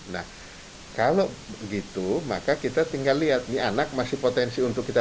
nah kalau begitu maka kita tinggal lihat nih anak masih potensi untuk kita